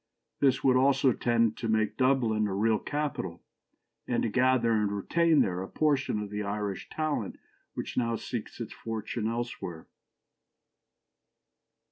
This would also tend to make Dublin a real capital, and to gather and retain there a portion of the Irish talent which now seeks its fortune elsewhere.